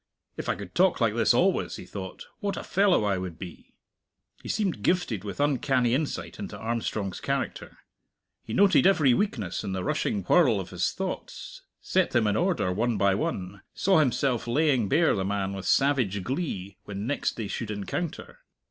If I could talk like this always, he thought, what a fellow I would be! He seemed gifted with uncanny insight into Armstrong's character. He noted every weakness in the rushing whirl of his thoughts, set them in order one by one, saw himself laying bare the man with savage glee when next they should encounter.